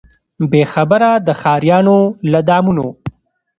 بې خبره د ښاریانو له دامونو